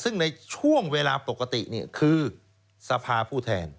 ซึ่งในช่วงเวลาปกติคือสภาผู้แทน